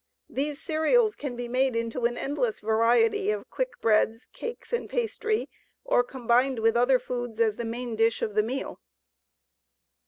These cereals can be made into an endless variety of quick breads, cakes, and pastry, or combined with other foods as the main dish of the meal.